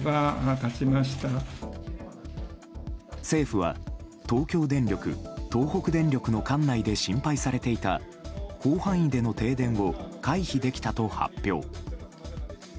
政府は東京電力・東北電力の管内で心配されていた広範囲での停電を回避できたと発表。